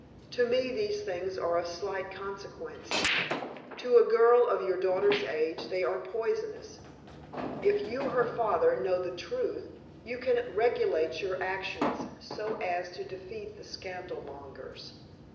To me these things are of slight consequence. To a girl of your daughter's age they are poisonous. If you, her father, know the whole truth, you can regulate your actions so as to defeat the scandalmongers.